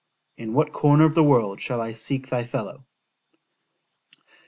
_ in what corner of the world shall I seek thy fellow?